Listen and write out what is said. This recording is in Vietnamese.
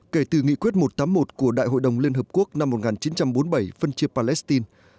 kể từ nghị quyết một trăm tám mươi một của đại hội đồng liên hợp quốc năm một nghìn chín trăm bốn mươi bảy phân chia palestine